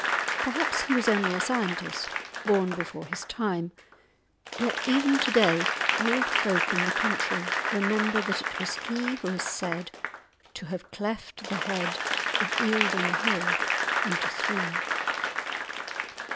Perhaps he was only a scientist, born before his time; yet even to day old folk in the country remember that it was he who is said to have cleft the head of Eildon Hill into three!